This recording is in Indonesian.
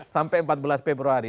sampai empat belas februari